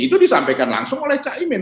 itu disampaikan langsung oleh cak imin